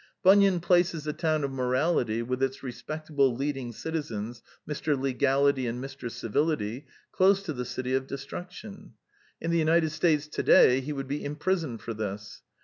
Bunyan places the town of Morality, with its respectable leading citizens Mi*. Legality and Mr. Civility, close to the City of Destruction. In the United States today he would be impris oned for this.